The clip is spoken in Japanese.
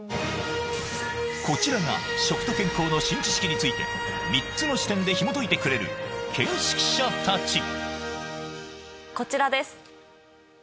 こちらが食と健康の新知識について３つの視点でひもといてくれる見識者たちこちらです。